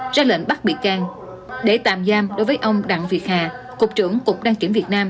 ra lệnh bắt bị can để tạm giam đối với ông đặng việt hà cục trưởng cục đăng kiểm việt nam